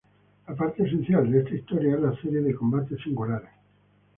La parte esencial de esta historia es la serie de combates singulares.